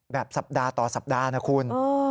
แบบสัปดาห์ต่อสัปดาห์นะคุณ